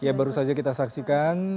ya baru saja kita saksikan